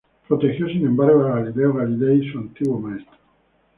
Protegió sin embargo a Galileo Galilei, su antiguo maestro.